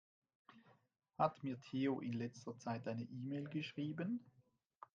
Hat mir Theo in letzter Zeit eine E-Mail geschrieben?